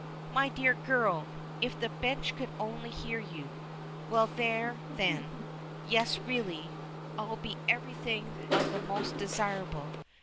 "My dear girl! If the bench could only hear you. Well, there then! Yes, really! I'll be everything of the most desirable.